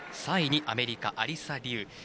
３位にアメリカのアリサ・リウ。